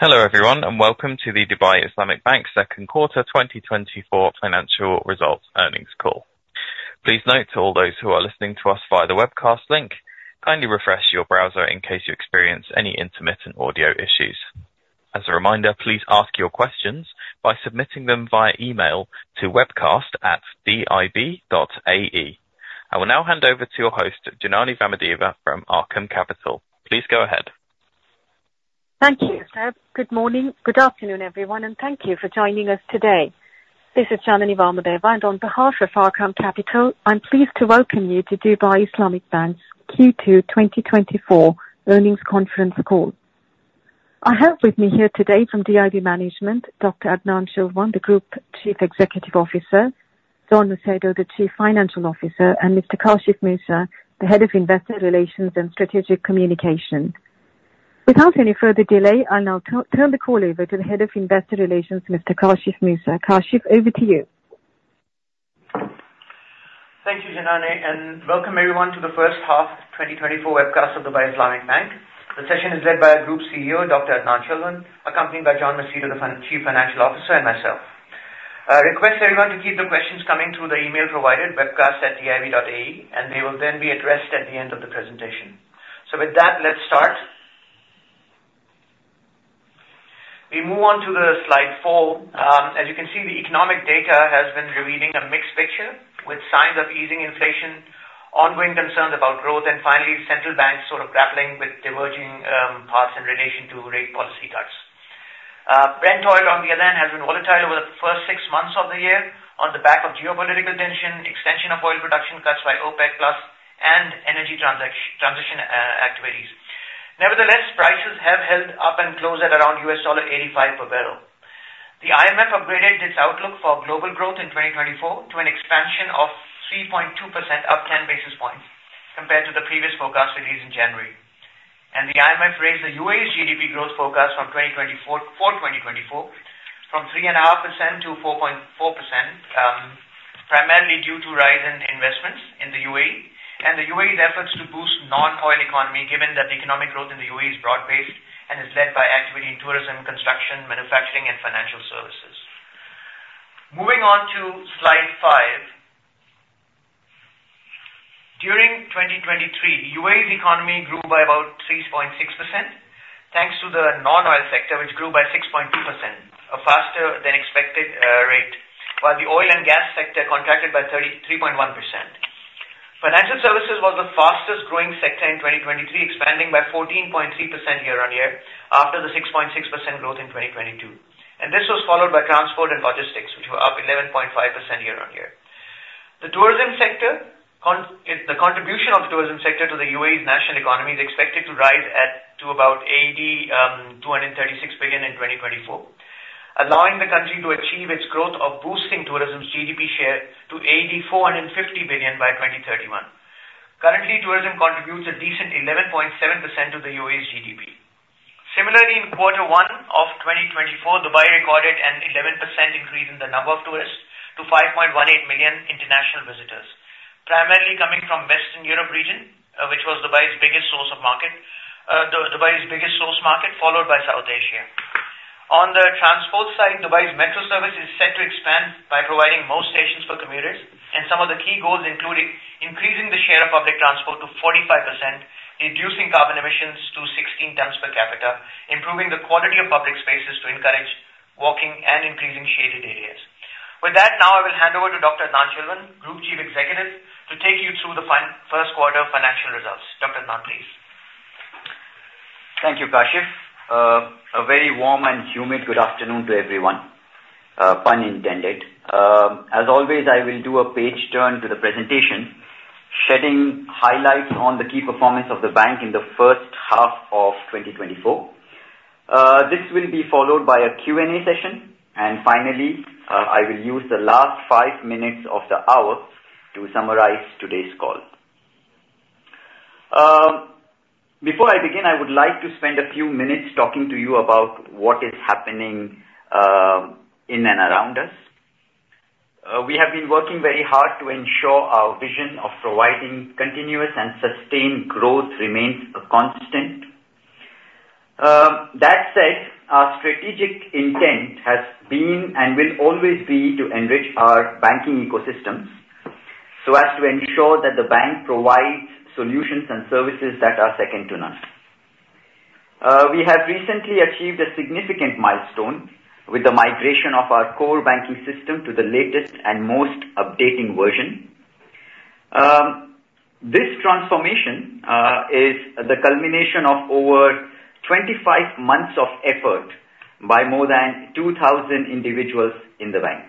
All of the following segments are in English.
Hello everyone, and welcome to the Dubai Islamic Bank Second Quarter 2024 Financial Results Earnings Call. Please note, to all those who are listening to us via the webcast link, kindly refresh your browser in case you experience any intermittent audio issues. As a reminder, please ask your questions by submitting them via email to webcast@dib.ai. I will now hand over to your host, Janany Vamadeva from Arqaam Capital. Please go ahead. Thank you, sir. Good morning, good afternoon everyone, and thank you for joining us today. This is Janany Vamadeva, and on behalf of Arqaam Capital, I'm pleased to welcome you to Dubai Islamic Bank's Q2 2024 Earnings Conference Call. I have with me here today from DIB Management, Dr. Adnan Chilwan, the Group Chief Executive Officer, John Macedo, the Chief Financial Officer, and Mr. Kashif Moosa, the Head of Investor Relations and Strategic Communication. Without any further delay, I'll now turn the call over to the Head of Investor Relations, Mr. Kashif Moosa. Kashif, over to you. Thank you, Janany, and welcome everyone to the first half of 2024 webcast of Dubai Islamic Bank. The session is led by our Group CEO, Dr. Adnan Chilwan, accompanied by John Macedo, the Chief Financial Officer, and myself. I request everyone to keep the questions coming through the email provided, webcast@dib.ai, and they will then be addressed at the end of the presentation. So with that, let's start. We move on to slide 4. As you can see, the economic data has been revealing a mixed picture with signs of easing inflation, ongoing concerns about growth, and finally, central banks sort of grappling with diverging paths in relation to rate policy cuts. Brent oil, on the other hand, has been volatile over the first six months of the year on the back of geopolitical tension, extension of oil production cuts by OPEC+, and energy transition activities. Nevertheless, prices have held up and closed at around $85 per barrel. The IMF upgraded its outlook for global growth in 2024 to an expansion of 3.2%, up 10 basis points compared to the previous forecast released in January. The IMF raised the U.A.E's GDP growth forecast for 2024 from 3.5%-4.4%, primarily due to rising investments in the U.A.E and the U.A.E's efforts to boost the non-oil economy, given that the economic growth in the U.A.E is broad-based and is led by activity in tourism, construction, manufacturing, and financial services. Moving on to slide five. During 2023, the U.A.E's economy grew by about 3.6% thanks to the non-oil sector, which grew by 6.2%, a faster-than-expected rate, while the oil and gas sector contracted by 3.1%. Financial services was the fastest-growing sector in 2023, expanding by 14.3% year-on-year after the 6.6% growth in 2022. This was followed by transport and logistics, which were up 11.5% year-on-year. The tourism sector, the contribution of the tourism sector to the U.A.E's national economy, is expected to rise to about 236 billion in 2024, allowing the country to achieve its growth of boosting tourism's GDP share to 450 billion by 2031. Currently, tourism contributes a decent 11.7% to the U.A.E's GDP. Similarly, in Quarter One of 2024, Dubai recorded an 11% increase in the number of tourists to 5.18 million international visitors, primarily coming from the Western Europe region, which was Dubai's biggest source of market, Dubai's biggest source market, followed by South Asia. On the transport side, Dubai's Metro service is set to expand by providing most stations for commuters, and some of the key goals include increasing the share of public transport to 45%, reducing carbon emissions to 16 tons per capita, improving the quality of public spaces to encourage walking, and increasing shaded areas. With that, now I will hand over to Dr. Adnan Chilwan, Group Chief Executive, to take you through the first quarter financial results. Dr. Adnan, please. Thank you, Kashif. A very warm and humid good afternoon to everyone, pun intended. As always, I will do a page turn to the presentation, shedding highlights on the key performance of the bank in the first half of 2024. This will be followed by a Q&A session, and finally, I will use the last five minutes of the hour to summarize today's call. Before I begin, I would like to spend a few minutes talking to you about what is happening in and around us. We have been working very hard to ensure our vision of providing continuous and sustained growth remains constant. That said, our strategic intent has been and will always be to enrich our banking ecosystems so as to ensure that the bank provides solutions and services that are second to none. We have recently achieved a significant milestone with the migration of our core banking system to the latest and most updating version. This transformation is the culmination of over 25 months of effort by more than 2,000 individuals in the bank.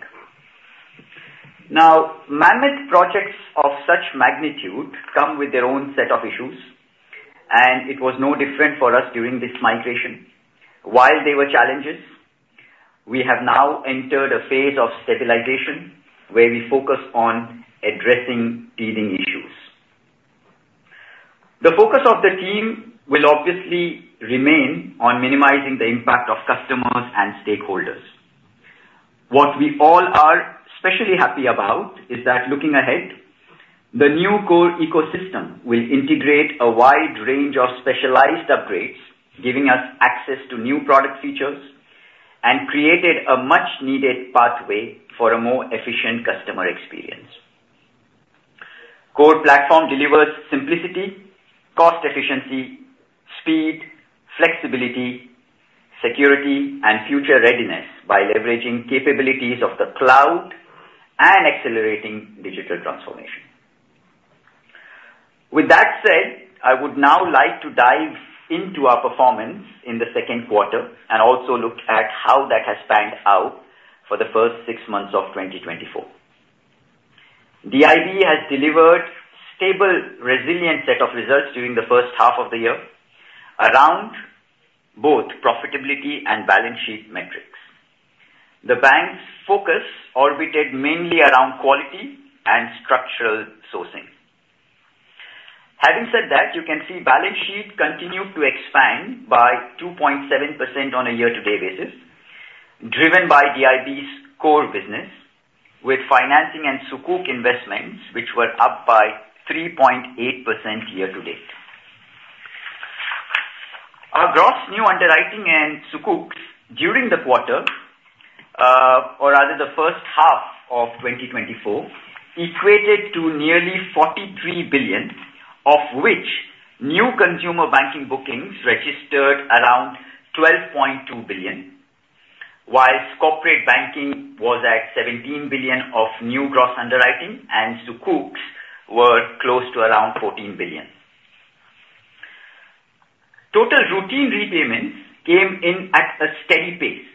Now, mammoth projects of such magnitude come with their own set of issues, and it was no different for us during this migration. While there were challenges, we have now entered a phase of stabilization where we focus on addressing teething issues. The focus of the team will obviously remain on minimizing the impact of customers and stakeholders. What we all are especially happy about is that looking ahead, the new core ecosystem will integrate a wide range of specialized upgrades, giving us access to new product features and creating a much-needed pathway for a more efficient customer experience. Core platform delivers simplicity, cost efficiency, speed, flexibility, security, and future readiness by leveraging capabilities of the cloud and accelerating digital transformation. With that said, I would now like to dive into our performance in the second quarter and also look at how that has panned out for the first six months of 2024. DIB has delivered a stable, resilient set of results during the first half of the year, around both profitability and balance sheet metrics. The bank's focus orbited mainly around quality and structural sourcing. Having said that, you can see balance sheet continued to expand by 2.7% on a year-to-date basis, driven by DIB's core business with financing and sukuk investments, which were up by 3.8% year-to-date. Our gross new underwriting and sukuk during the quarter, or rather the first half of 2024, equated to nearly 43 billion, of which new consumer banking bookings registered around 12.2 billion, while corporate banking was at 17 billion of new gross underwriting, and sukuk were close to around 14 billion. Total routine repayments came in at a steady pace,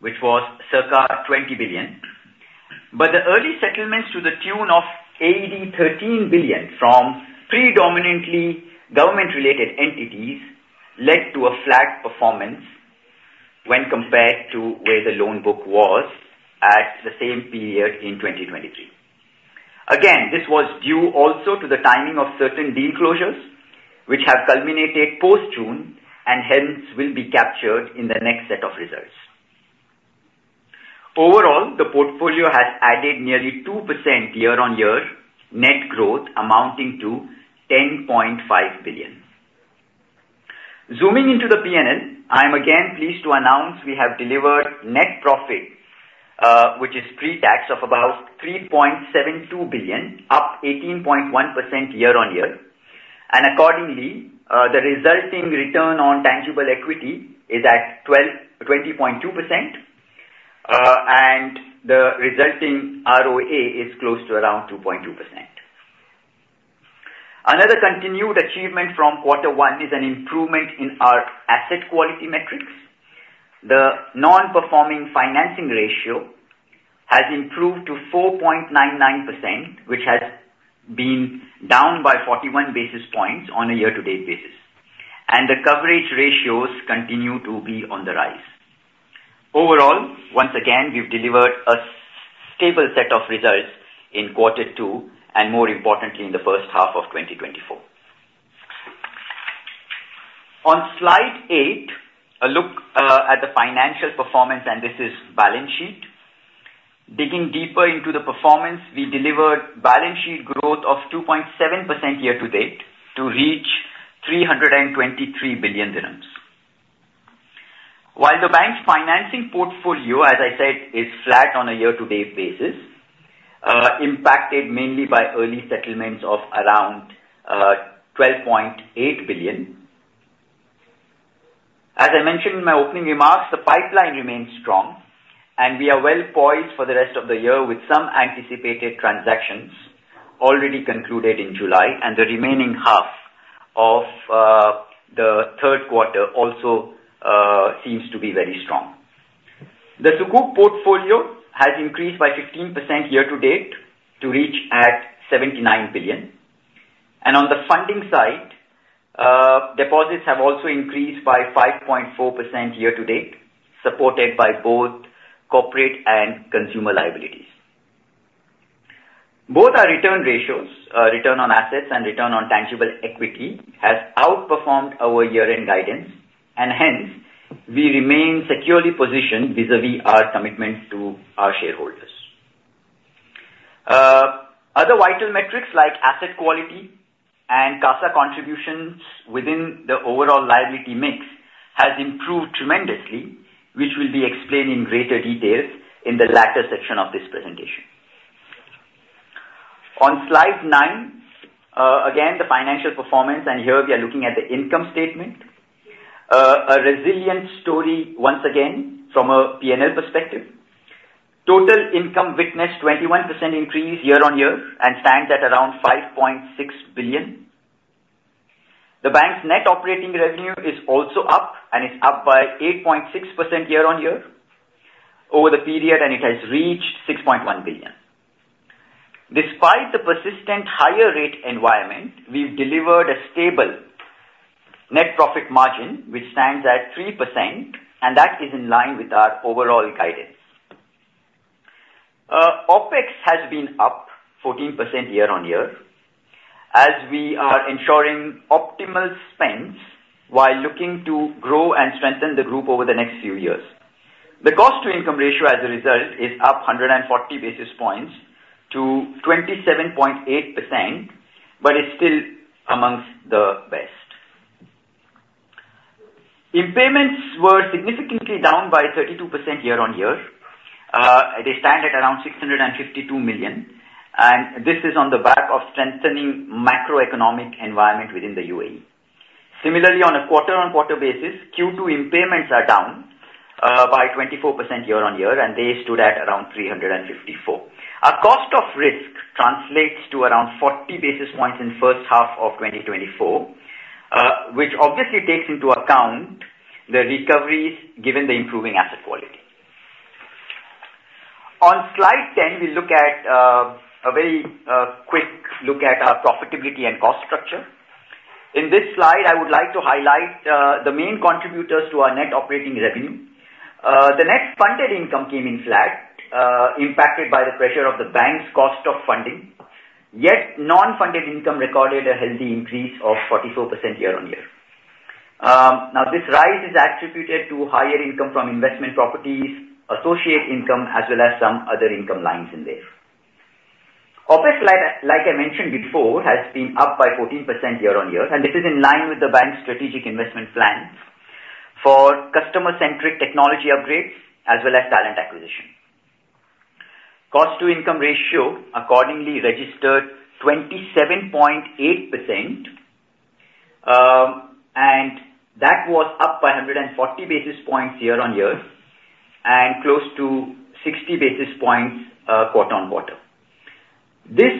which was circa 20 billion, but the early settlements to the tune of 8.13 billion from predominantly government-related entities led to a flat performance when compared to where the loan book was at the same period in 2023. Again, this was due also to the timing of certain deal closures, which have culminated post-June and hence will be captured in the next set of results. Overall, the portfolio has added nearly 2% year-on-year net growth, amounting to 10.5 billion. Zooming into the P&L, I'm again pleased to announce we have delivered net profit, which is pre-tax of about 3.72 billion, up 18.1% year-on-year, and accordingly, the resulting return on tangible equity is at 20.2%, and the resulting ROA is close to around 2.2%. Another continued achievement from Quarter One is an improvement in our asset quality metrics. The non-performing financing ratio has improved to 4.99%, which has been down by 41 basis points on a year-to-date basis, and the coverage ratios continue to be on the rise. Overall, once again, we've delivered a stable set of results in Quarter Two and, more importantly, in the first half of 2024. On slide 8, a look at the financial performance, and this is balance sheet. Digging deeper into the performance, we delivered balance sheet growth of 2.7% year-to-date to reach 323 billion dirhams. While the bank's financing portfolio, as I said, is flat on a year-to-date basis, impacted mainly by early settlements of around 12.8 billion. As I mentioned in my opening remarks, the pipeline remains strong, and we are well poised for the rest of the year with some anticipated transactions already concluded in July, and the remaining half of the third quarter also seems to be very strong. The sukuk portfolio has increased by 15% year-to-date to reach 79 billion, and on the funding side, deposits have also increased by 5.4% year-to-date, supported by both corporate and consumer liabilities. Both our return ratios, return on assets and return on tangible equity, have outperformed our year-end guidance, and hence, we remain securely positioned vis-à-vis our commitment to our shareholders. Other vital metrics like asset quality and CASA contributions within the overall liability mix have improved tremendously, which will be explained in greater detail in the latter section of this presentation. On slide nine, again, the financial performance, and here we are looking at the income statement, a resilient story once again from a P&L perspective. Total income witnessed a 21% increase year-on-year and stands at around 5.6 billion. The bank's net operating revenue is also up, and it's up by 8.6% year-on-year over the period, and it has reached 6.1 billion. Despite the persistent higher rate environment, we've delivered a stable net profit margin, which stands at 3%, and that is in line with our overall guidance. OPEX has been up 14% year-on-year as we are ensuring optimal spends while looking to grow and strengthen the group over the next few years. The cost-to-income ratio, as a result, is up 140 basis points to 27.8%, but it's still among the best. Impairments were significantly down by 32% year-on-year. They stand at around 652 million, and this is on the back of strengthening the macroeconomic environment within the U.A.E. Similarly, on a quarter-on-quarter basis, Q2 impairments are down by 24% year-on-year, and they stood at around 354 million. Our cost of risk translates to around 40 basis points in the first half of 2024, which obviously takes into account the recoveries given the improving asset quality. On slide 10, we look at a very quick look at our profitability and cost structure. In this slide, I would like to highlight the main contributors to our net operating revenue. The net funded income came in flat, impacted by the pressure of the bank's cost of funding, yet non-funded income recorded a healthy increase of 44% year-on-year. Now, this rise is attributed to higher income from investment properties, associate income, as well as some other income lines in there. OPEX, like I mentioned before, has been up by 14% year-on-year, and this is in line with the bank's strategic investment plan for customer-centric technology upgrades as well as talent acquisition. Cost-to-income ratio accordingly registered 27.8%, and that was up by 140 basis points year-on-year and close to 60 basis points quarter-on-quarter. This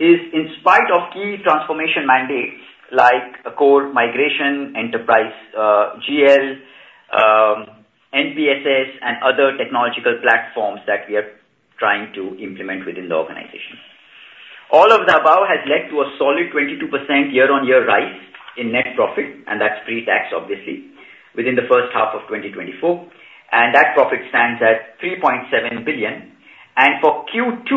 is in spite of key transformation mandates like core migration, enterprise GL, NPSS, and other technological platforms that we are trying to implement within the organization. All of the above has led to a solid 22% year-over-year rise in net profit, and that's pre-tax, obviously, within the first half of 2024, and that profit stands at 3.7 billion. For Q2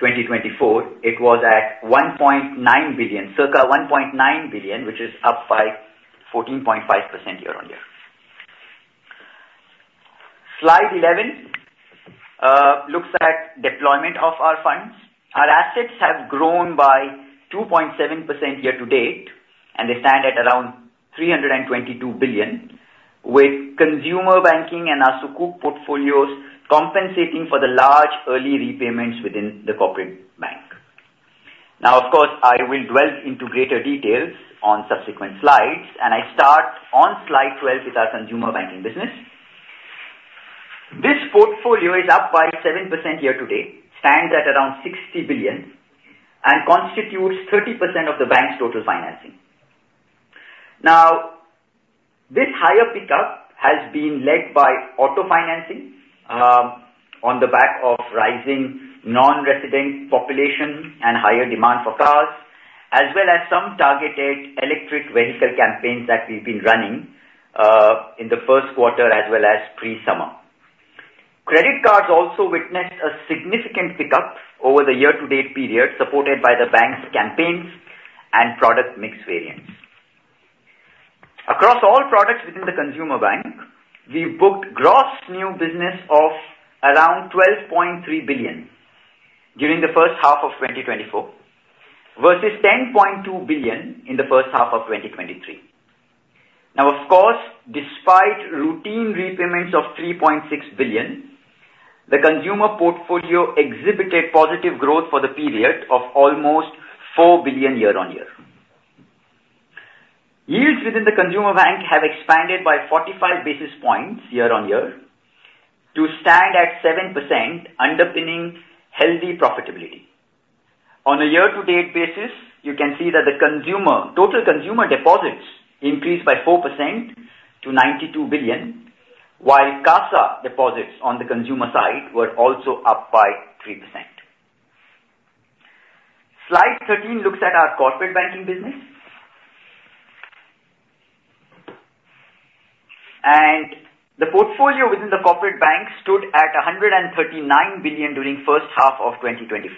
2024, it was at 1.9 billion, circa 1.9 billion, which is up by 14.5% year-over-year. Slide 11 looks at deployment of our funds. Our assets have grown by 2.7% year-to-date, and they stand at around 322 billion, with consumer banking and our sukuk portfolios compensating for the large early repayments within the corporate bank. Now, of course, I will delve into greater details on subsequent slides, and I start on slide 12 with our consumer banking business. This portfolio is up by 7% year-to-date, stands at around 60 billion, and constitutes 30% of the bank's total financing. Now, this higher pickup has been led by auto financing on the back of rising non-resident population and higher demand for cars, as well as some targeted electric vehicle campaigns that we've been running in the first quarter as well as pre-summer. Credit cards also witnessed a significant pickup over the year-to-date period, supported by the bank's campaigns and product mix variants. Across all products within the consumer bank, we booked gross new business of around 12.3 billion during the first half of 2024 versus 10.2 billion in the first half of 2023. Now, of course, despite routine repayments of 3.6 billion, the consumer portfolio exhibited positive growth for the period of almost 4 billion year-on-year. Yields within the consumer bank have expanded by 45 basis points year-on-year to stand at 7%, underpinning healthy profitability. On a year-to-date basis, you can see that the total consumer deposits increased by 4% to 92 billion, while CASA deposits on the consumer side were also up by 3%. Slide 13 looks at our corporate banking business, and the portfolio within the corporate bank stood at 139 billion during the first half of 2024.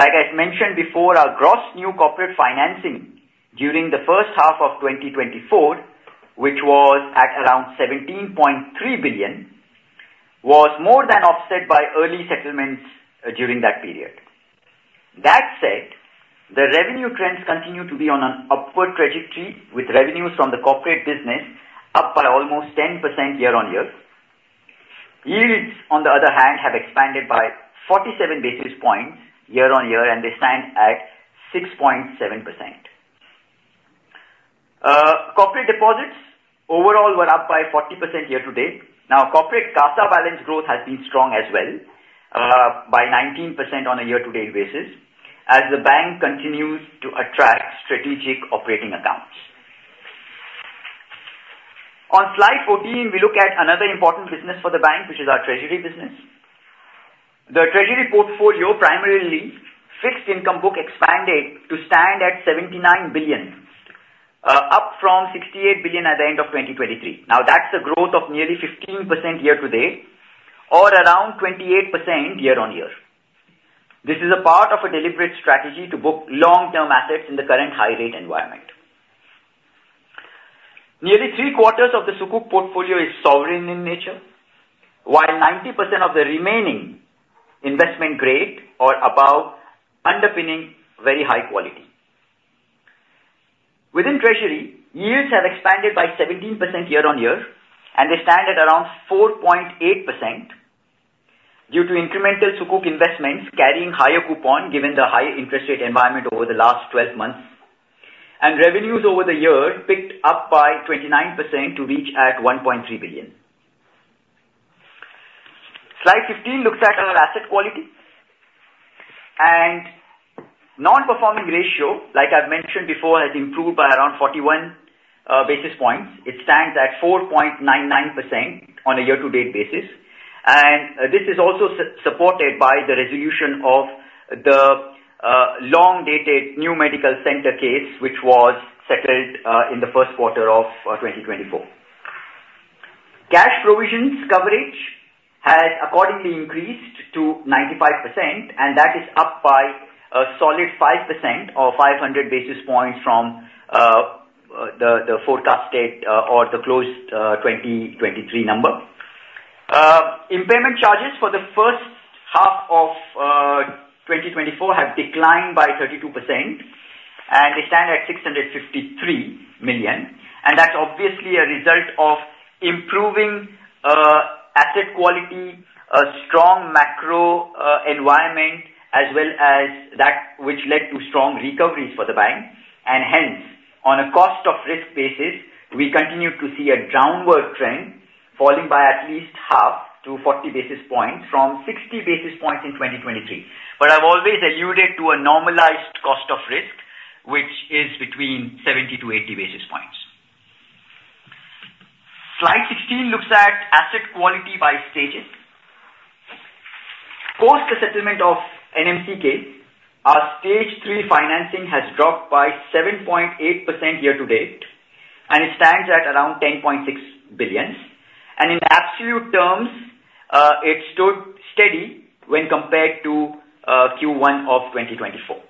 Like I mentioned before, our gross new corporate financing during the first half of 2024, which was at around 17.3 billion, was more than offset by early settlements during that period. That said, the revenue trends continue to be on an upward trajectory, with revenues from the corporate business up by almost 10% year-on-year. Yields, on the other hand, have expanded by 47 basis points year-on-year, and they stand at 6.7%. Corporate deposits overall were up by 40% year-to-date. Now, corporate CASA balance growth has been strong as well by 19% on a year-to-date basis, as the bank continues to attract strategic operating accounts. On slide 14, we look at another important business for the bank, which is our treasury business. The treasury portfolio primarily fixed income book expanded to stand at 79 billion, up from 68 billion at the end of 2023. Now, that's a growth of nearly 15% year-to-date or around 28% year-on-year. This is a part of a deliberate strategy to book long-term assets in the current high-rate environment. Nearly 3/4 of the sukuk portfolio is sovereign in nature, while 90% of the remaining investment-grade or above underpinning very high quality. Within treasury, yields have expanded by 17% year-on-year, and they stand at around 4.8% due to incremental sukuk investments carrying higher coupon given the high interest rate environment over the last 12 months, and revenues over the year picked up by 29% to reach 1.3 billion. Slide 15 looks at our asset quality, and non-performing ratio, like I've mentioned before, has improved by around 41 basis points. It stands at 4.99% on a year-to-date basis, and this is also supported by the resolution of the long-dated New Medical Center case, which was settled in the first quarter of 2024. Cash provisions coverage has accordingly increased to 95%, and that is up by a solid 5% or 500 basis points from the forecast date or the closed 2023 number. Impairment charges for the first half of 2024 have declined by 32%, and they stand at 653 million, and that's obviously a result of improving asset quality, a strong macro environment, as well as that which led to strong recoveries for the bank, and hence, on a cost-of-risk basis, we continue to see a downward trend falling by at least half to 40 basis points from 60 basis points in 2023. But I've always alluded to a normalized cost of risk, which is between 70 to 80 basis points. Slide 16 looks at asset quality by stages. Post the settlement of NMC, our stage three financing has dropped by 7.8% year-to-date, and it stands at around 10.6 billion. In absolute terms, it stood steady when compared to Q1 of 2024.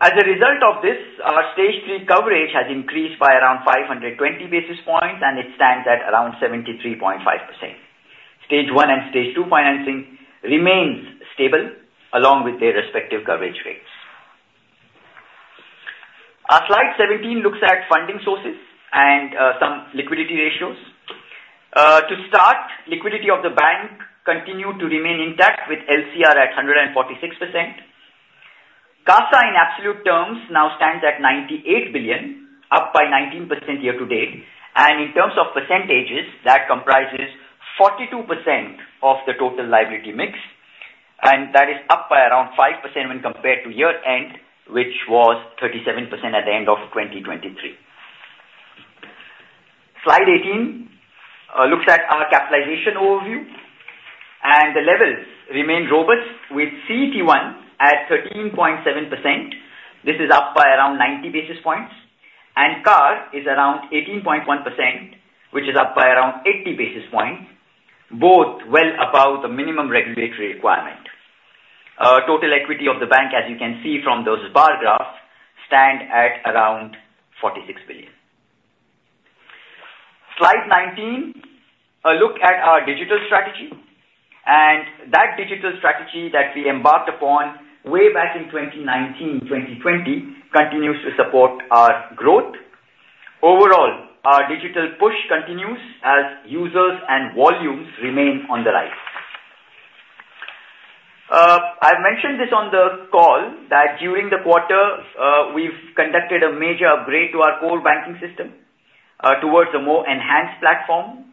As a result of this, our stage three coverage has increased by around 520 basis points, and it stands at around 73.5%. Stage one and stage two financing remains stable along with their respective coverage rates. Our slide 17 looks at funding sources and some liquidity ratios. To start, liquidity of the bank continued to remain intact with LCR at 146%. CASA in absolute terms now stands at 98 billion, up by 19% year-to-date, and in terms of percentages, that comprises 42% of the total liability mix, and that is up by around 5% when compared to year-end, which was 37% at the end of 2023. Slide 18 looks at our capitalization overview, and the levels remain robust with CET1 at 13.7%. This is up by around 90 basis points, and CAR is around 18.1%, which is up by around 80 basis points, both well above the minimum regulatory requirement. Total equity of the bank, as you can see from those bar graphs, stands at around 46 billion. Slide 19, a look at our digital strategy, and that digital strategy that we embarked upon way back in 2019, 2020, continues to support our growth. Overall, our digital push continues as users and volumes remain on the rise. I've mentioned this on the call that during the quarter, we've conducted a major upgrade to our core banking system towards a more enhanced platform.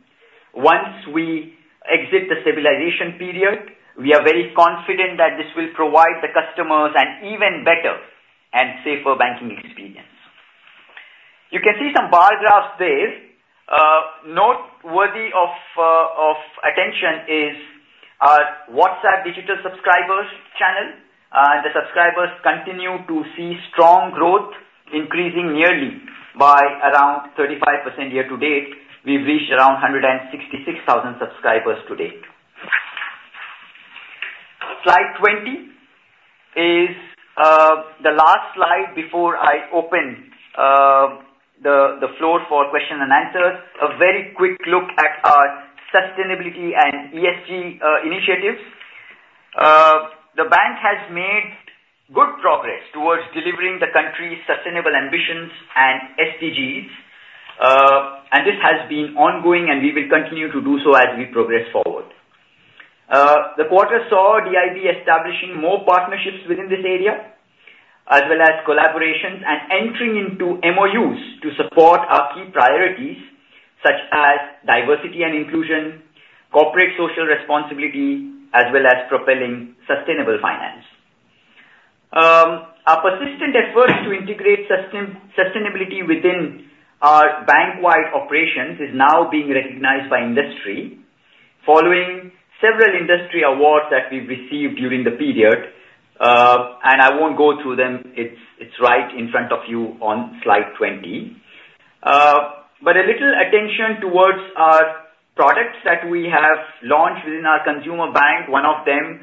Once we exit the stabilization period, we are very confident that this will provide the customers an even better and safer banking experience. You can see some bar graphs there. Noteworthy of attention is our WhatsApp digital subscribers channel, and the subscribers continue to see strong growth, increasing nearly by around 35% year-to-date. We've reached around 166,000 subscribers to date. Slide 20 is the last slide before I open the floor for questions and answers. A very quick look at our sustainability and ESG initiatives. The bank has made good progress towards delivering the country's sustainable ambitions and SDGs, and this has been ongoing, and we will continue to do so as we progress forward. The quarter saw DIB establishing more partnerships within this area, as well as collaborations and entering into MOUs to support our key priorities such as diversity and inclusion, corporate social responsibility, as well as propelling sustainable finance. Our persistent efforts to integrate sustainability within our bank-wide operations is now being recognized by industry, following several industry awards that we've received during the period, and I won't go through them. It's right in front of you on slide 20. But a little attention towards our products that we have launched within our consumer bank. One of them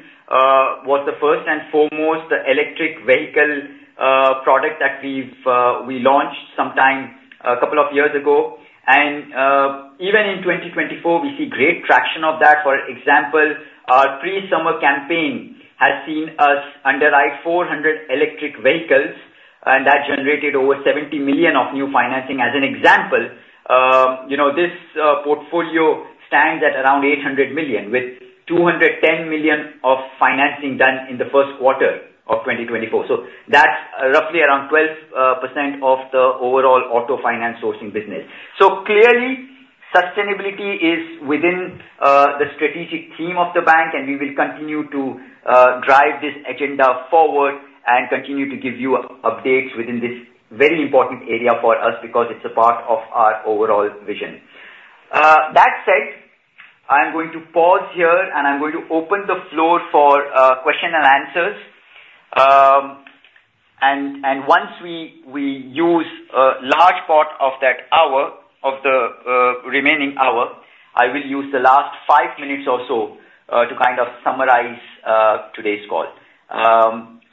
was the first and foremost, the electric vehicle product that we launched sometime a couple of years ago, and even in 2024, we see great traction of that. For example, our pre-summer campaign has seen us underwrite 400 electric vehicles, and that generated over 70 million of new financing. As an example, this portfolio stands at around 800 million, with 210 million of financing done in the first quarter of 2024. So that's roughly around 12% of the overall auto finance sourcing business. So clearly, sustainability is within the strategic theme of the bank, and we will continue to drive this agenda forward and continue to give you updates within this very important area for us because it's a part of our overall vision. That said, I'm going to pause here, and I'm going to open the floor for questions and answers. Once we use a large part of that hour, of the remaining hour, I will use the last five minutes or so to kind of summarize today's call.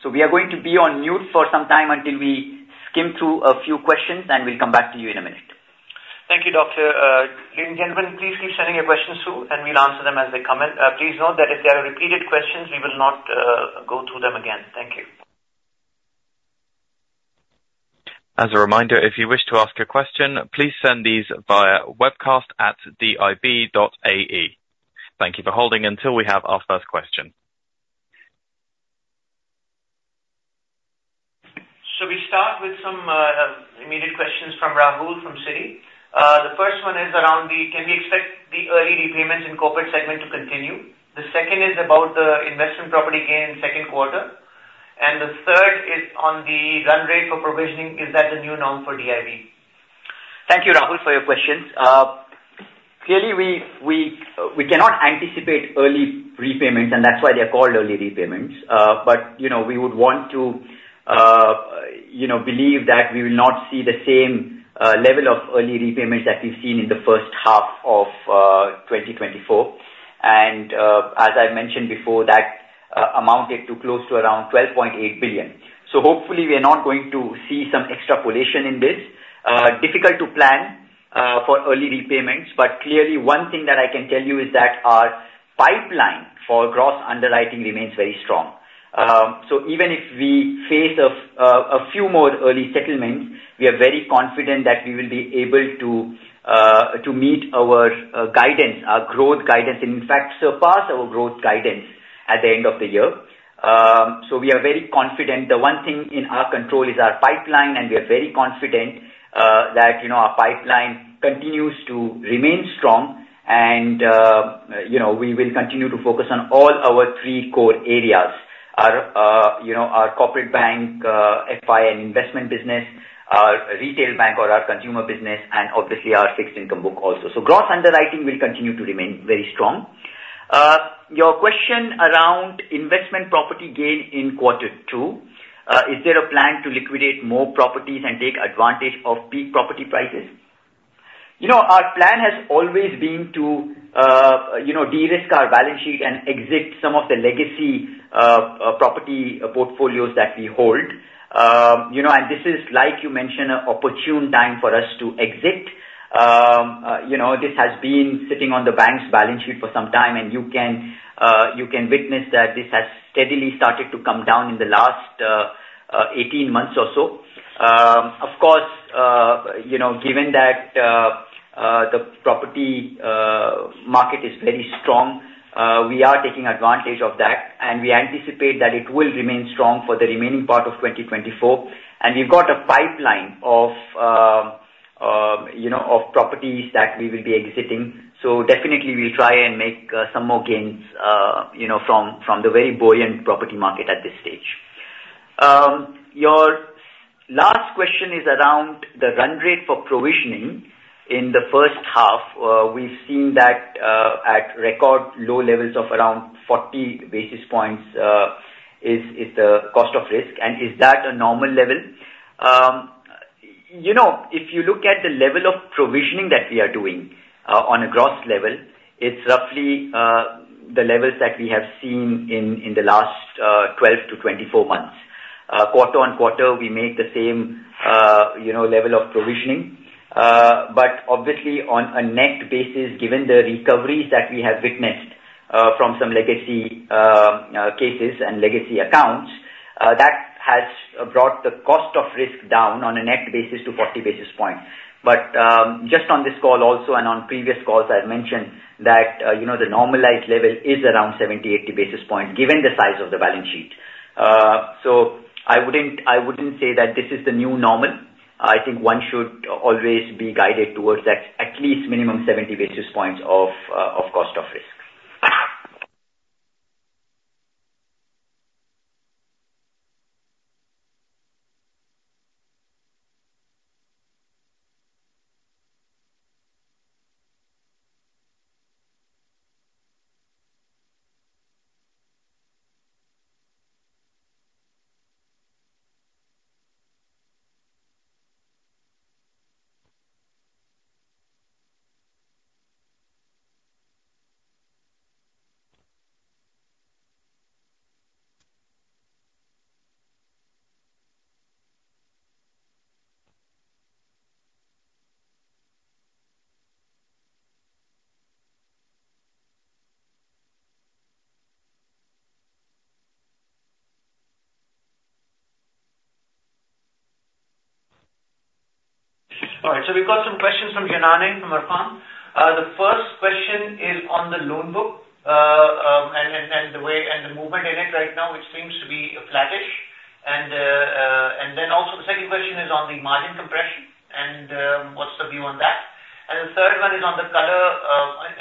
So we are going to be on mute for some time until we skim through a few questions, and we'll come back to you in a minute. Thank you, Doctor. Ladies and gentlemen, please keep sending your questions through, and we'll answer them as they come in. Please note that if there are repeated questions, we will not go through them again. Thank you. As a reminder, if you wish to ask a question, please send these via webcast@dib.ai. Thank you for holding until we have our first question. So we start with some immediate questions from Rahul from Citi. The first one is around the, can we expect the early repayments in corporate segment to continue? The second is about the investment property gain in second quarter, and the third is on the run rate for provisioning. Is that the new norm for DIB? Thank you, Rahul, for your questions. Clearly, we cannot anticipate early repayments, and that's why they're called early repayments. But we would want to believe that we will not see the same level of early repayments that we've seen in the first half of 2024. As I've mentioned before, that amounted to close to around 12.8 billion. So hopefully, we are not going to see some extrapolation in this. Difficult to plan for early repayments, but clearly, one thing that I can tell you is that our pipeline for gross underwriting remains very strong. So even if we face a few more early settlements, we are very confident that we will be able to meet our guidance, our growth guidance, and in fact, surpass our growth guidance at the end of the year. So we are very confident. The one thing in our control is our pipeline, and we are very confident that our pipeline continues to remain strong, and we will continue to focus on all our three core areas: our corporate bank, FI and investment business, our retail bank, or our consumer business, and obviously, our fixed income book also. So gross underwriting will continue to remain very strong. Your question around investment property gain in quarter two, is there a plan to liquidate more properties and take advantage of peak property prices? Our plan has always been to de-risk our balance sheet and exit some of the legacy property portfolios that we hold. This is, like you mentioned, an opportune time for us to exit. This has been sitting on the bank's balance sheet for some time, and you can witness that this has steadily started to come down in the last 18 months or so. Of course, given that the property market is very strong, we are taking advantage of that, and we anticipate that it will remain strong for the remaining part of 2024. We've got a pipeline of properties that we will be exiting. So definitely, we'll try and make some more gains from the very buoyant property market at this stage. Your last question is around the run rate for provisioning in the first half. We've seen that at record low levels of around 40 basis points is the cost of risk, and is that a normal level? If you look at the level of provisioning that we are doing on a gross level, it's roughly the levels that we have seen in the last 12 to 24 months. Quarter-on-quarter, we make the same level of provisioning. But obviously, on a net basis, given the recoveries that we have witnessed from some legacy cases and legacy accounts, that has brought the cost of risk down on a net basis to 40 basis points. But just on this call also and on previous calls, I've mentioned that the normalized level is around 70, 80 basis points given the size of the balance sheet. So I wouldn't say that this is the new normal. I think one should always be guided towards at least minimum 70 basis points of cost of risk. All right. So we've got some questions from Janany and from Arqaam. The first question is on the loan book and the movement in it right now, which seems to be flattish. And then also, the second question is on the margin compression and what's the view on that. And the third one is on the color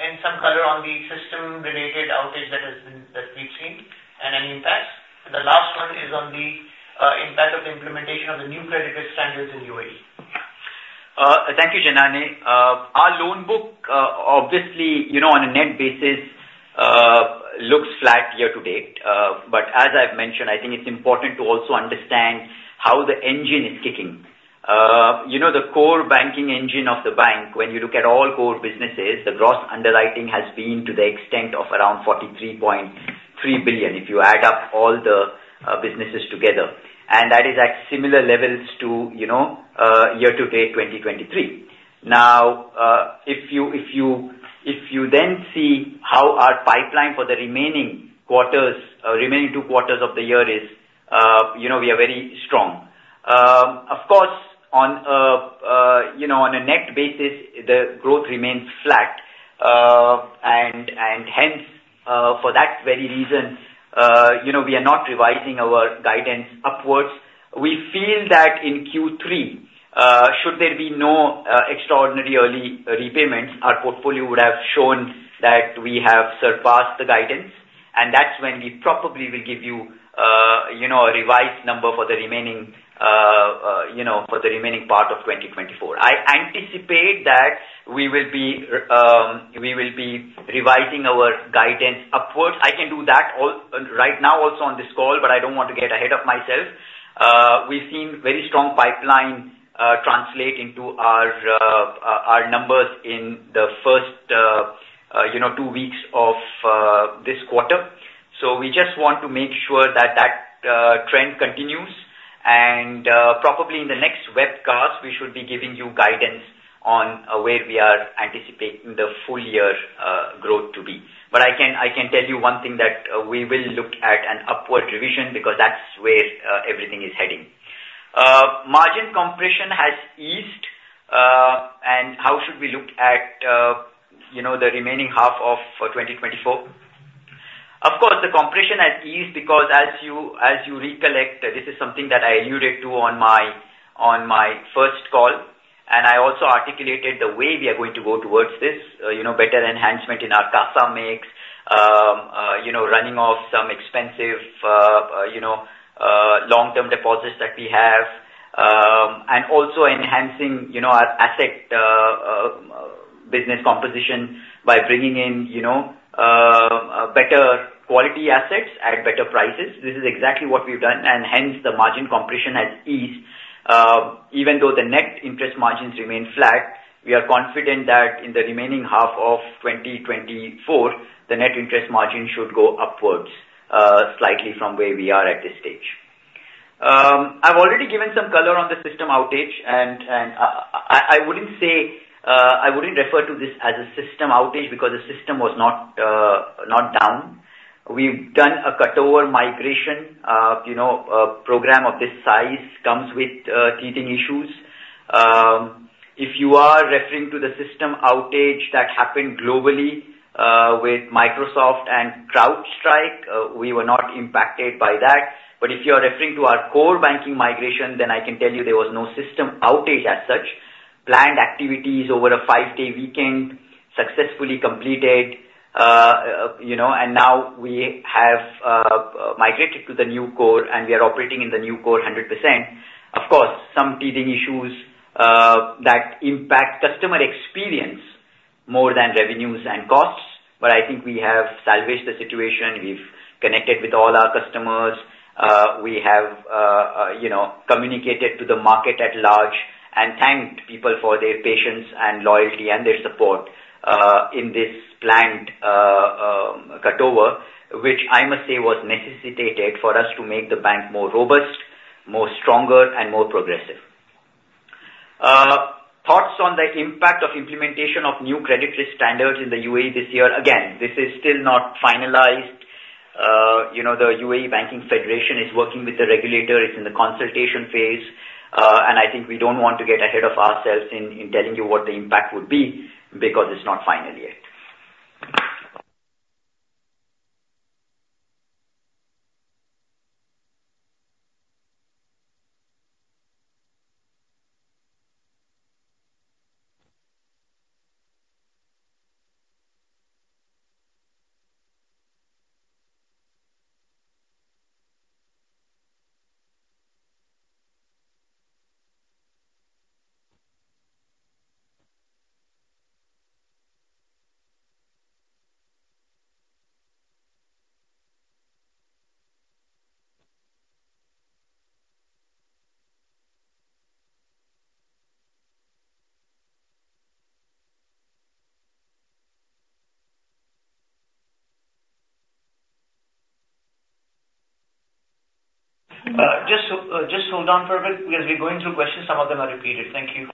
and some color on the system-related outage that we've seen and any impacts. And the last one is on the impact of the implementation of the new credit risk standards in U.A.E. Thank you, Janany. Our loan book, obviously, on a net basis, looks flat year-to-date. But as I've mentioned, I think it's important to also understand how the engine is kicking. The core banking engine of the bank, when you look at all core businesses, the gross underwriting has been to the extent of around 43.3 billion if you add up all the businesses together. That is at similar levels to year-to-date 2023. Now, if you then see how our pipeline for the remaining two quarters of the year is, we are very strong. Of course, on a net basis, the growth remains flat. Hence, for that very reason, we are not revising our guidance upwards. We feel that in Q3, should there be no extraordinary early repayments, our portfolio would have shown that we have surpassed the guidance. That's when we probably will give you a revised number for the remaining part of 2024. I anticipate that we will be revising our guidance upwards. I can do that right now also on this call, but I don't want to get ahead of myself. We've seen very strong pipeline translate into our numbers in the first two weeks of this quarter. So we just want to make sure that that trend continues. And probably in the next webcast, we should be giving you guidance on where we are anticipating the full year growth to be. But I can tell you one thing that we will look at an upward revision because that's where everything is heading. Margin compression has eased. And how should we look at the remaining half of 2024? Of course, the compression has eased because as you recollect, this is something that I alluded to on my first call. I also articulated the way we are going to go towards this: better enhancement in our CASA mix, running off some expensive long-term deposits that we have, and also enhancing our asset business composition by bringing in better quality assets at better prices. This is exactly what we've done. Hence, the margin compression has eased. Even though the net interest margins remain flat, we are confident that in the remaining half of 2024, the net interest margin should go upwards slightly from where we are at this stage. I've already given some color on the system outage. I wouldn't say I wouldn't refer to this as a system outage because the system was not down. We've done a cutover migration. A program of this size comes with teething issues. If you are referring to the system outage that happened globally with Microsoft and CrowdStrike, we were not impacted by that. But if you are referring to our core banking migration, then I can tell you there was no system outage as such. Planned activities over a five-day weekend successfully completed. Now we have migrated to the new core, and we are operating in the new core 100%. Of course, some teething issues that impact customer experience more than revenues and costs. But I think we have salvaged the situation. We've connected with all our customers. We have communicated to the market at large and thanked people for their patience and loyalty and their support in this planned cutover, which I must say was necessitated for us to make the bank more robust, more stronger, and more progressive. Thoughts on the impact of implementation of new credit risk standards in the U.A.E this year? Again, this is still not finalized. The U.A.E Banks Federation is working with the regulator. It's in the consultation phase. And I think we don't want to get ahead of ourselves in telling you what the impact would be because it's not final yet. Just hold on for a bit because we're going through questions. Some of them are repeated. Thank you.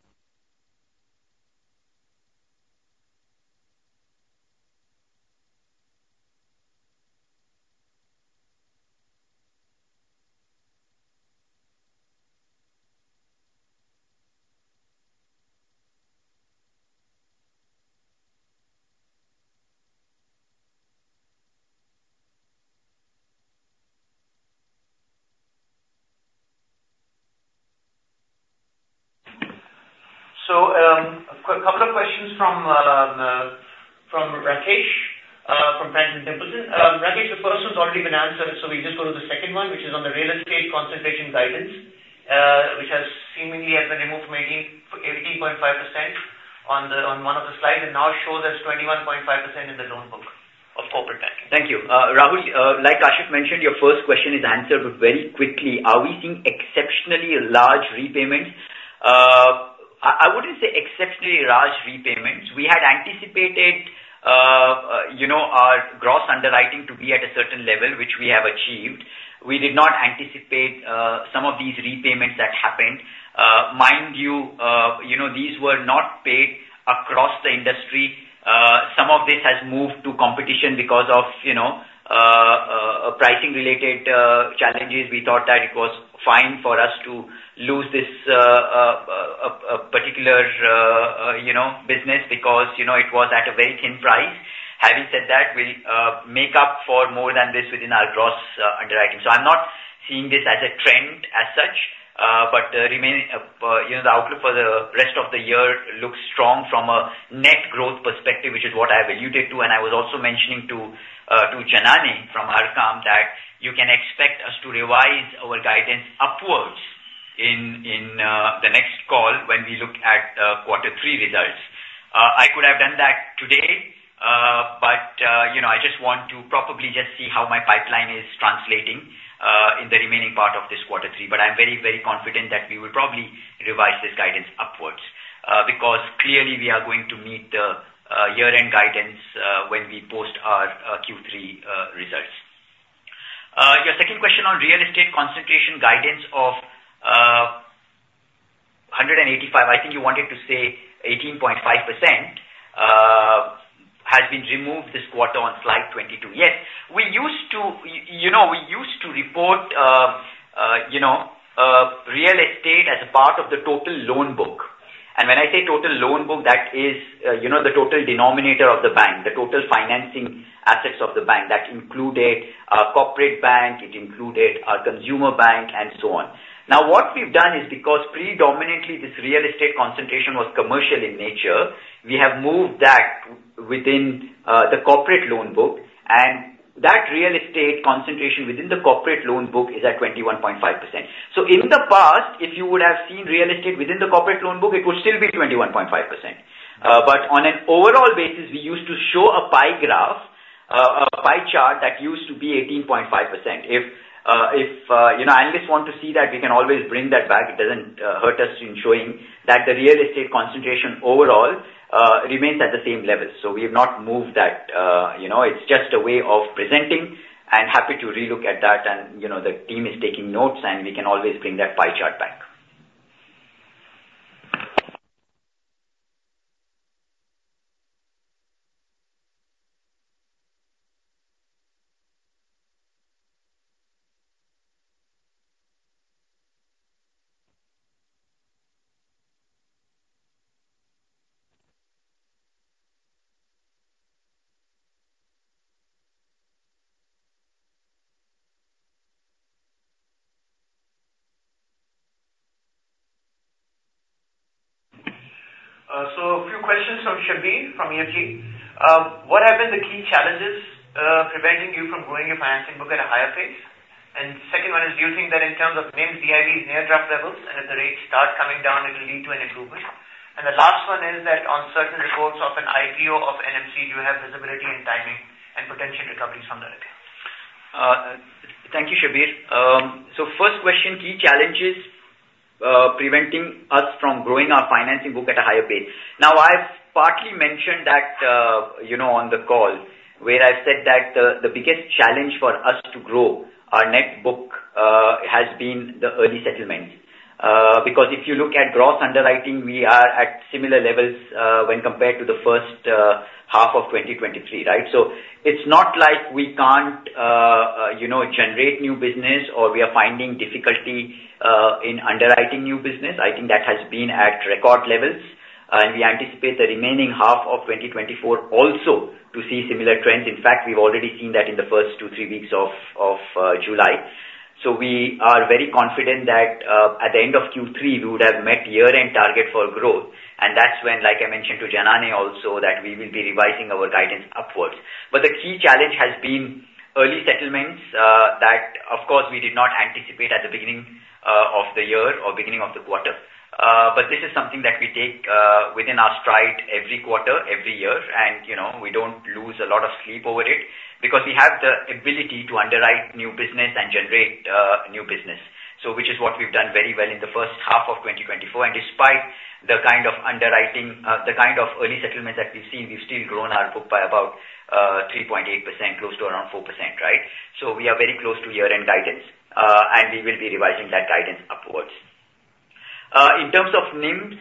So a couple of questions from Rakesh from Franklin Templeton. Rakesh, the first one's already been answered. So we just go to the second one, which is on the real estate concentration guidance, which has seemingly been removed from 18.5% on one of the slides and now shows as 21.5% in the loan book of corporate banking. Thank you. Rahul, like Kashif mentioned, your first question is answered, but very quickly, are we seeing exceptionally large repayments? I wouldn't say exceptionally large repayments. We had anticipated our gross underwriting to be at a certain level, which we have achieved. We did not anticipate some of these repayments that happened. Mind you, these were not paid across the industry. Some of this has moved to competition because of pricing-related challenges. We thought that it was fine for us to lose this particular business because it was at a very thin price. Having said that, we'll make up for more than this within our gross underwriting. So I'm not seeing this as a trend as such. But the outlook for the rest of the year looks strong from a net growth perspective, which is what I alluded to. I was also mentioning to Janany from Arqaam that you can expect us to revise our guidance upwards in the next call when we look at quarter three results. I could have done that today, but I just want to probably just see how my pipeline is translating in the remaining part of this quarter three. But I'm very, very confident that we will probably revise this guidance upwards because clearly, we are going to meet the year-end guidance when we post our Q3 results. Your second question on real estate concentration guidance of 18.5% has been removed this quarter on slide 22. Yes. We used to report real estate as a part of the total loan book. And when I say total loan book, that is the total denominator of the bank, the total financing assets of the bank. That included a corporate bank. It included a consumer bank, and so on. Now, what we've done is because predominantly this real estate concentration was commercial in nature, we have moved that within the corporate loan book. And that real estate concentration within the corporate loan book is at 21.5%. So in the past, if you would have seen real estate within the corporate loan book, it would still be 21.5%. But on an overall basis, we used to show a pie chart that used to be 18.5%. If analysts want to see that, we can always bring that back. It doesn't hurt us in showing that the real estate concentration overall remains at the same level. So we have not moved that. It's just a way of presenting. I'm happy to relook at that. And the team is taking notes, and we can always bring that pie chart back. So a few questions from Shabbir from EFG Hermes. What have been the key challenges preventing you from growing your financing book at a higher pace? And the second one is, do you think that in terms of NIMs, DIVs, and overdraft levels, and if the rates start coming down, it will lead to an improvement? And the last one is that on certain reports of an IPO of NMC Health, do you have visibility in timing and potential recoveries from that? Thank you, Shabbir. So first question, key challenges preventing us from growing our financing book at a higher pace. Now, I've partly mentioned that on the call where I've said that the biggest challenge for us to grow our net book has been the early settlement. Because if you look at gross underwriting, we are at similar levels when compared to the first half of 2023, right? So it's not like we can't generate new business or we are finding difficulty in underwriting new business. I think that has been at record levels. And we anticipate the remaining half of 2024 also to see similar trends. In fact, we've already seen that in the first two-three weeks of July. So we are very confident that at the end of Q3, we would have met year-end target for growth. And that's when, like I mentioned to Janany also, that we will be revising our guidance upwards. But the key challenge has been early settlements that, of course, we did not anticipate at the beginning of the year or beginning of the quarter. But this is something that we take within our stride every quarter, every year. And we don't lose a lot of sleep over it because we have the ability to underwrite new business and generate new business, which is what we've done very well in the first half of 2024. And despite the kind of underwriting, the kind of early settlements that we've seen, we've still grown our book by about 3.8%, close to around 4%, right? So we are very close to year-end guidance. And we will be revising that guidance upwards. In terms of NIMs,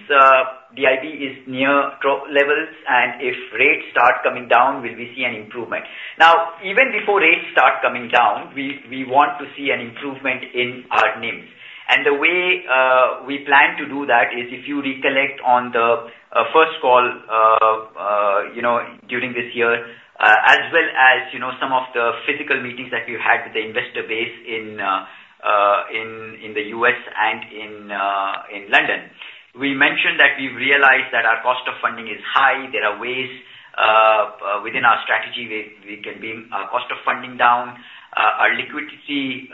DIB is near levels. And if rates start coming down, will we see an improvement? Now, even before rates start coming down, we want to see an improvement in our NIMs. The way we plan to do that is if you recollect on the first call during this year, as well as some of the physical meetings that we've had with the investor base in the U.S. and in London, we mentioned that we've realized that our cost of funding is high. There are ways within our strategy we can bring our cost of funding down. Our liquidity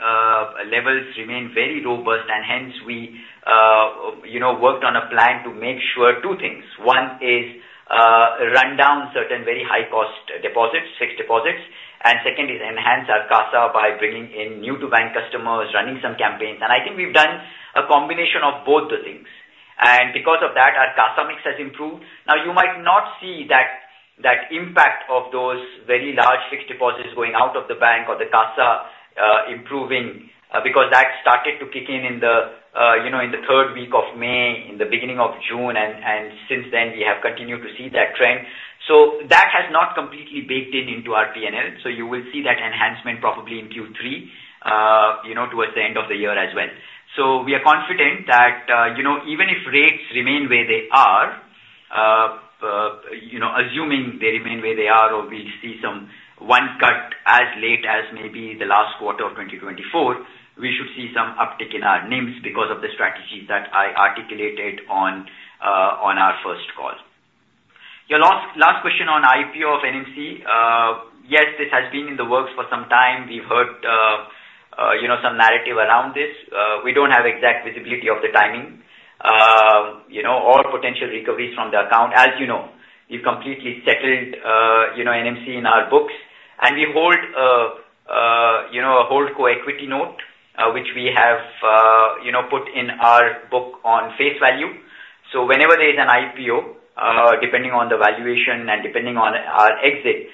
levels remain very robust. Hence, we worked on a plan to make sure two things. One is run down certain very high-cost deposits, fixed deposits. Second is enhance our CASA by bringing in new-to-bank customers, running some campaigns. I think we've done a combination of both the things. Because of that, our CASA mix has improved. Now, you might not see that impact of those very large fixed deposits going out of the bank or the CASA improving because that started to kick in in the third week of May, in the beginning of June. And since then, we have continued to see that trend. So that has not completely baked into our P&L. So you will see that enhancement probably in Q3 towards the end of the year as well. So we are confident that even if rates remain where they are, assuming they remain where they are or we see some one cut as late as maybe the last quarter of 2024, we should see some uptick in our NIMs because of the strategy that I articulated on our first call. Your last question on IPO of NMC. Yes, this has been in the works for some time. We've heard some narrative around this. We don't have exact visibility of the timing or potential recoveries from the account. As you know, we've completely settled NMC in our books. And we hold a HoldCo equity note, which we have put in our book on face value. So whenever there is an IPO, depending on the valuation and depending on our exit,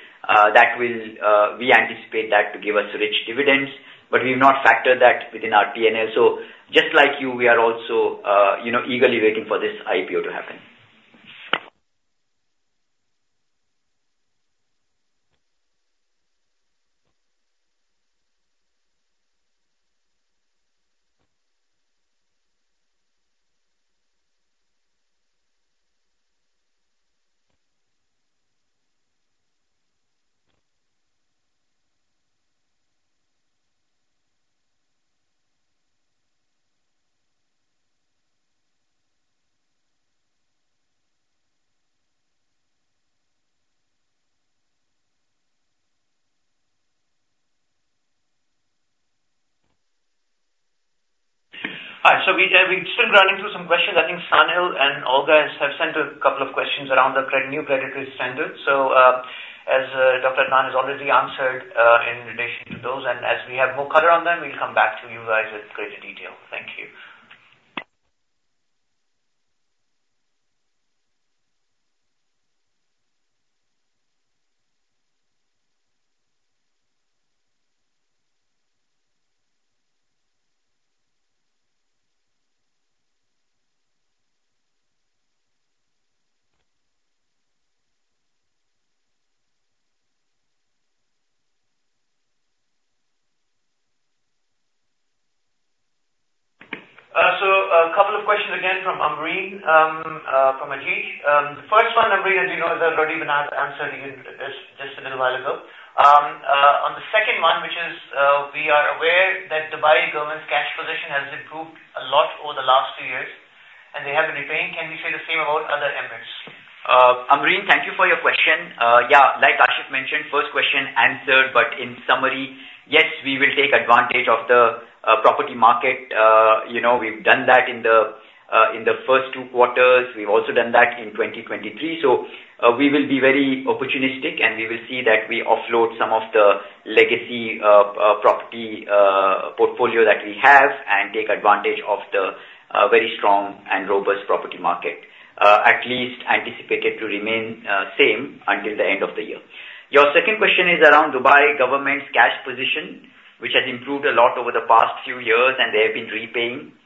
we anticipate that to give us rich dividends. But we've not factored that within our P&L. So just like you, we are also eagerly waiting for this IPO to happen. All right. We're still running through some questions. I think Sanil and Olga have sent a couple of questions around the new credit risk standards. So as Dr. Adnan Chilwan has already answered in relation to those. And as we have more color on them, we'll come back to you guys with greater detail. Thank you. So a couple of questions again from Amreen from Arqaam Capital. The first one, Amreen, as you know, has already been answered just a little while ago. On the second one, which is we are aware that Dubai government's cash position has improved a lot over the last few years, and they have been retained. Can we say the same about other Emirates? Amreen, thank you for your question. Yeah, like Kashif mentioned, first question answered. But in summary, yes, we will take advantage of the property market. We've done that in the first two quarters. We've also done that in 2023. So we will be very opportunistic, and we will see that we offload some of the legacy property portfolio that we have and take advantage of the very strong and robust property market, at least anticipated to remain the same until the end of the year. Your second question is around Dubai government's cash position, which has improved a lot over the past few years, and they have been repaying.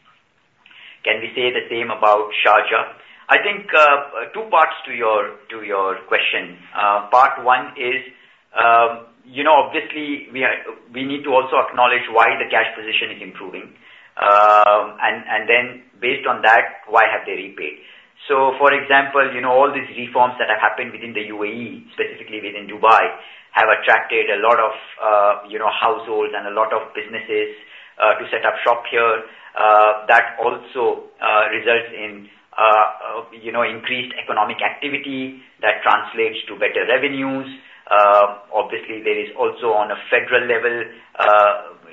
Can we say the same about Sharjah? I think two parts to your question. Part one is, obviously, we need to also acknowledge why the cash position is improving. And then based on that, why have they repaid? So for example, all these reforms that have happened within the U.A.E, specifically within Dubai, have attracted a lot of households and a lot of businesses to set up shop here. That also results in increased economic activity that translates to better revenues. Obviously, there is also on a federal level,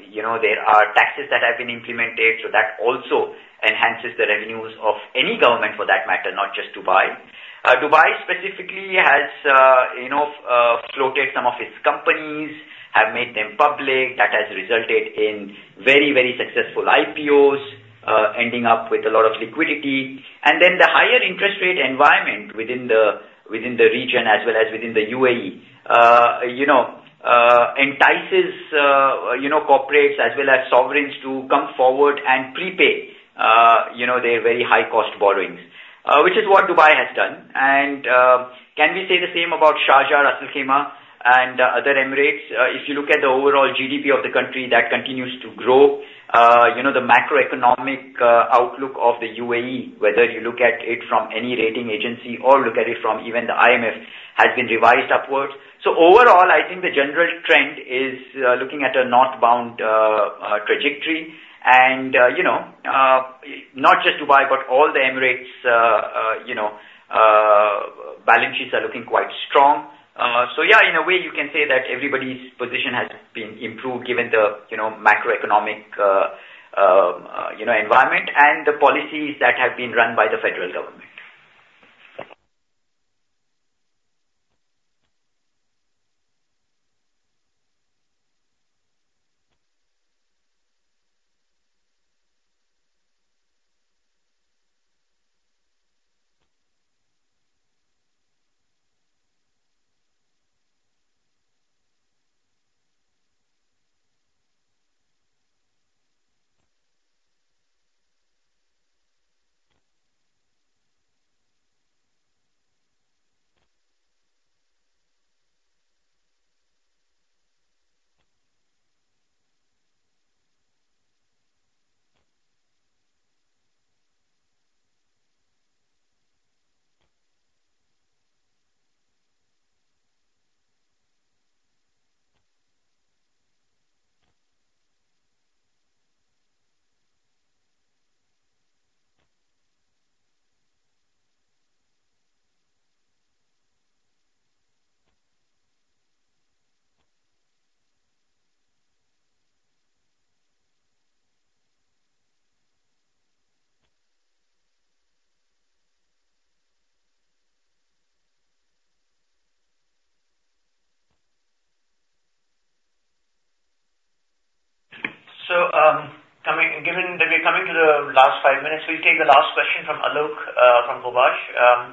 there are taxes that have been implemented. So that also enhances the revenues of any government, for that matter, not just Dubai. Dubai specifically has floated some of its companies, have made them public. That has resulted in very, very successful IPOs, ending up with a lot of liquidity. And then the higher interest rate environment within the region, as well as within the U.A.E, entices corporates as well as sovereigns to come forward and prepay their very high-cost borrowings, which is what Dubai has done. And can we say the same about Sharjah, Ras Al Khaimah, and other Emirates? If you look at the overall GDP of the country, that continues to grow. The macroeconomic outlook of the U.A.E, whether you look at it from any rating agency or look at it from even the IMF, has been revised upwards. So overall, I think the general trend is looking at a northbound trajectory. And not just Dubai, but all the Emirates' balance sheets are looking quite strong. So yeah, in a way, you can say that everybody's position has been improved given the macroeconomic environment and the policies that have been run by the federal government. So given that we're coming to the last five minutes, we'll take the last question from Alok from GIB Capital.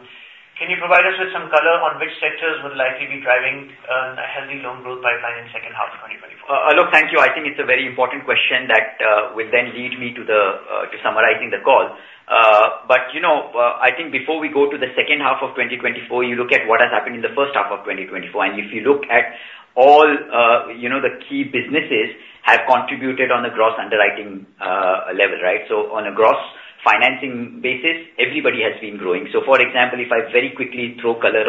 Can you provide us with some color on which sectors would likely be driving a healthy loan growth pipeline in the second half of 2024? Alok, thank you. I think it's a very important question that will then lead me to summarizing the call. But I think before we go to the second half of 2024, you look at what has happened in the first half of 2024. And if you look at all the key businesses that have contributed on the gross underwriting level, right? So on a gross financing basis, everybody has been growing. So for example, if I very quickly throw color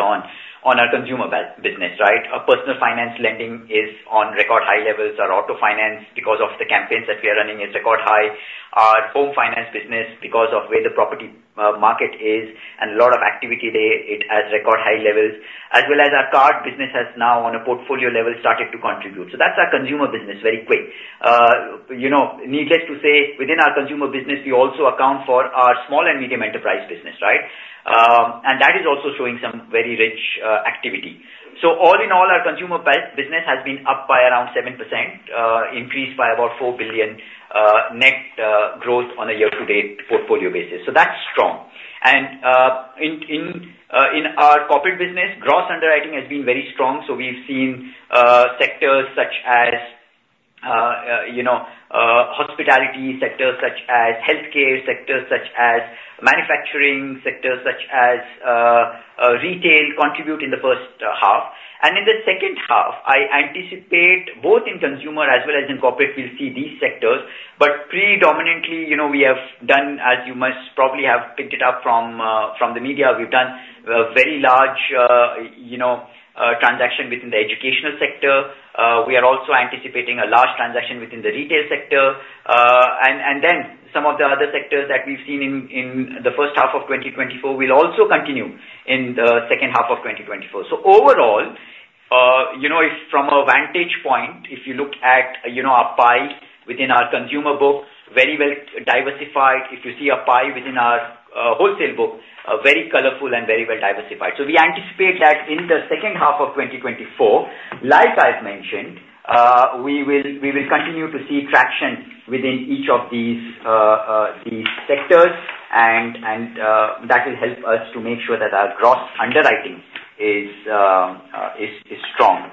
on our consumer business, right? Our personal finance lending is on record high levels. Our auto finance, because of the campaigns that we are running, is record high. Our home finance business, because of where the property market is and a lot of activity there, it has record high levels. As well as our card business has now, on a portfolio level, started to contribute. So that's our consumer business, very quick. Needless to say, within our consumer business, we also account for our small and medium enterprise business, right? And that is also showing some very rich activity. So all in all, our consumer business has been up by around 7%, increased by about 4 billion net growth on a year-to-date portfolio basis. So that's strong. And in our corporate business, gross underwriting has been very strong. So we've seen sectors such as hospitality, sectors such as healthcare, sectors such as manufacturing, sectors such as retail contribute in the first half. And in the second half, I anticipate both in consumer as well as in corporate, we'll see these sectors. But predominantly, we have done, as you must probably have picked it up from the media, we've done very large transactions within the educational sector. We are also anticipating a large transaction within the retail sector. And then some of the other sectors that we've seen in the first half of 2024 will also continue in the second half of 2024. So overall, from a vantage point, if you look at our pie within our consumer book, very well diversified. If you see a pie within our wholesale book, very colorful and very well diversified. We anticipate that in the second half of 2024, like I've mentioned, we will continue to see traction within each of these sectors. That will help us to make sure that our gross underwriting is strong.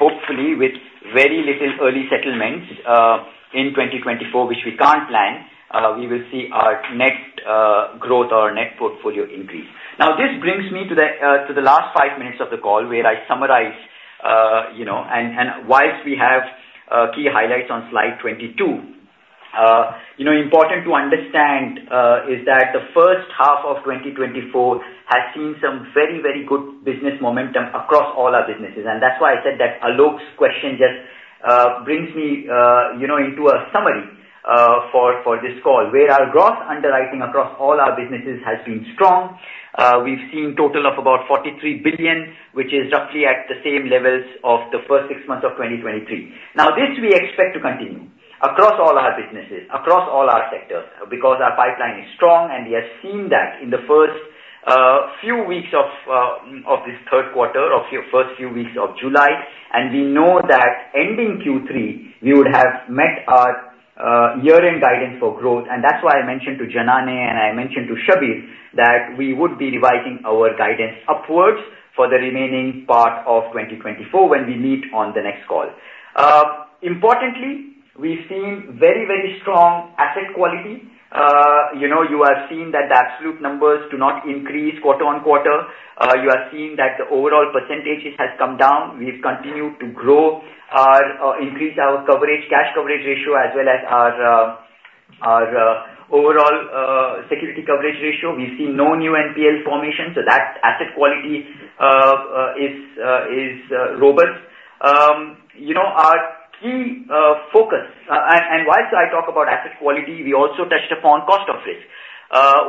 Hopefully, with very little early settlements in 2024, which we can't plan, we will see our net growth or net portfolio increase. Now, this brings me to the last five minutes of the call where I summarize. While we have key highlights on slide 22, important to understand is that the first half of 2024 has seen some very, very good business momentum across all our businesses. That's why I said that Alok's question just brings me into a summary for this call, where our gross underwriting across all our businesses has been strong. We've seen a total of about 43 billion, which is roughly at the same levels of the first six months of 2023. Now, this we expect to continue across all our businesses, across all our sectors, because our pipeline is strong. And we have seen that in the first few weeks of this third quarter, or first few weeks of July. And we know that ending Q3, we would have met our year-end guidance for growth. And that's why I mentioned to Janany and I mentioned to Shabbir that we would be revising our guidance upwards for the remaining part of 2024 when we meet on the next call. Importantly, we've seen very, very strong asset quality. You have seen that the absolute numbers do not increase quarter on quarter. You have seen that the overall percentages have come down. We've continued to grow, increase our coverage, cash coverage ratio, as well as our overall security coverage ratio. We've seen no new NPL formation. So that asset quality is robust. Our key focus, and whilst I talk about asset quality, we also touched upon cost of risk.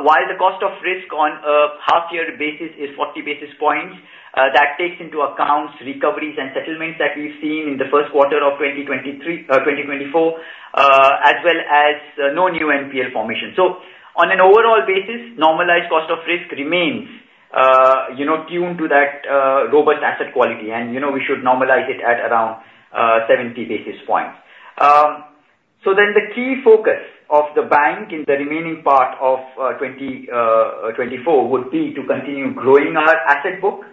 While the cost of risk on a half-year basis is 40 basis points, that takes into account recoveries and settlements that we've seen in the first quarter of 2024, as well as no new NPL formation. So on an overall basis, normalized cost of risk remains tuned to that robust asset quality. And we should normalize it at around 70 basis points. So then the key focus of the bank in the remaining part of 2024 would be to continue growing our asset book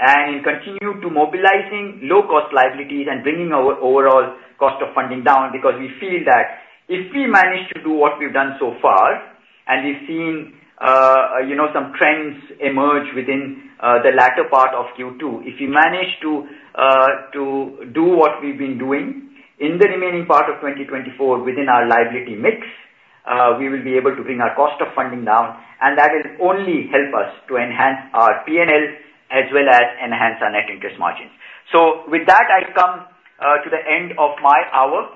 and continue to mobilize low-cost liabilities and bringing our overall cost of funding down. Because we feel that if we manage to do what we've done so far, and we've seen some trends emerge within the latter part of Q2, if we manage to do what we've been doing in the remaining part of 2024 within our liability mix, we will be able to bring our cost of funding down. And that will only help us to enhance our P&L as well as enhance our net interest margins. So with that, I come to the end of my hour.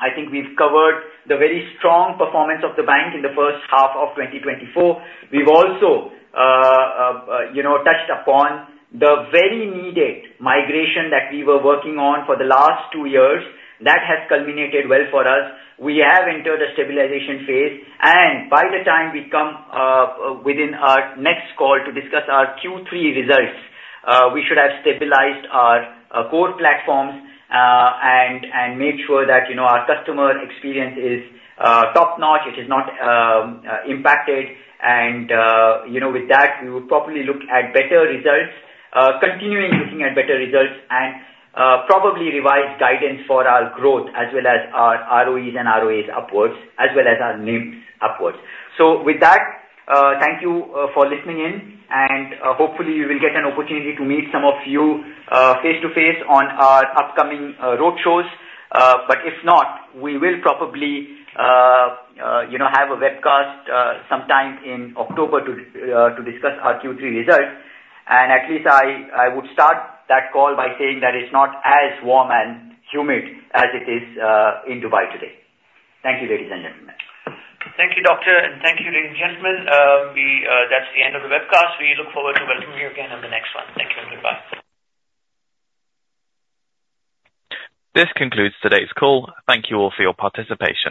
I think we've covered the very strong performance of the bank in the first half of 2024. We've also touched upon the very needed migration that we were working on for the last two years. That has culminated well for us. We have entered a stabilization phase. By the time we come within our next call to discuss our Q3 results, we should have stabilized our core platforms and made sure that our customer experience is top-notch. It is not impacted. With that, we would probably look at better results, continue looking at better results, and probably revise guidance for our growth as well as our ROEs and ROAs upwards, as well as our NIMs upwards. With that, thank you for listening in. Hopefully, we will get an opportunity to meet some of you face-to-face on our upcoming roadshows. But if not, we will probably have a webcast sometime in October to discuss our Q3 results. At least I would start that call by saying that it's not as warm and humid as it is in Dubai today. Thank you, ladies and gentlemen. Thank you, Doctor. Thank you, ladies and gentlemen. That's the end of the webcast. We look forward to welcoming you again on the next one. Thank you. Goodbye. This concludes today's call. Thank you all for your participation.